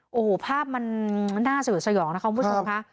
โอ้โหภาพมันน่าสยดสยองนะคะคุณผู้ชมค่ะ